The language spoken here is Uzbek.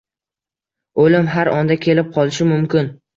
Oʻlim har onda kelib qolishi mumkin.